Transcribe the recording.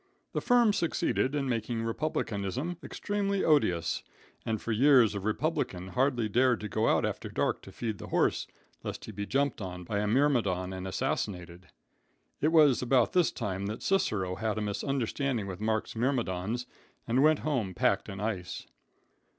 The firm succeeded in making republicanism extremely odious, and for years a republican hardly dared to go out after dark to feed the horse, lest he be jumped on by a myrmidon and assassinated. It was about this time that Cicero had a misunderstanding with Mark's myrmidons and went home packed in ice.